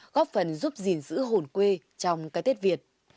góp phần giúp gìn giữ hồn quê trong cái tết việt